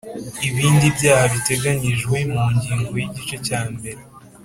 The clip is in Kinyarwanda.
Ibindi byaha biteganyijwe mu ngingo ya igice cya mbere